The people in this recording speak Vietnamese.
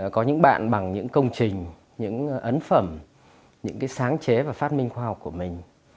có những bạn bằng những công trình những ấn phẩm những sáng chế và phát minh khoa học của mình